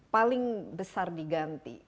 paling besar diganti